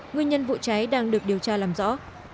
nguyên nhân vụ cháy đang được điều tra làm rõ